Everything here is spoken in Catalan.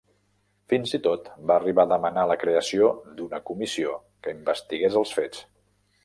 Fins i tot va arribar a demanar la creació d'una comissió que investigués els fets.